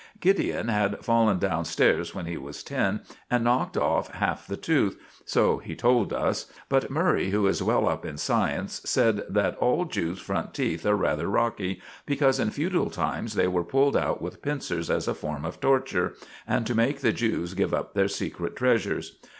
Gideon had fallen down stairs when he was ten and knocked off half the tooth, so he told us; but Murray, who is well up in science, said that all Jews' front teeth are rather rocky, because in feudal times they were pulled out with pincers as a form of torture, and to make the Jews give up their secret treasures.